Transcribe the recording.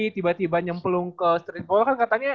tiba tiba nyempelung ke streetball kan katanya